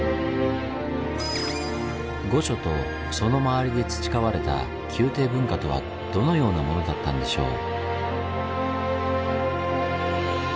御所とその周りで培われた宮廷文化とはどのようなものだったんでしょう？